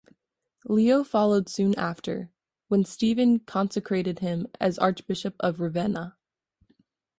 Leo followed soon after, when Stephen consecrated him as Archbishop of Ravenna.